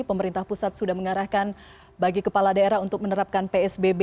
pemerintah pusat sudah mengarahkan bagi kepala daerah untuk menerapkan psbb